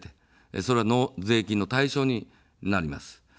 それは税金の対象になります。